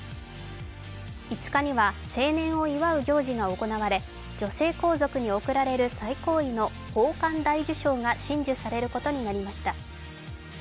５日には成年を祝う行事が行われ女性皇族に贈られる最高位の宝冠大綬章が親授されることになりました。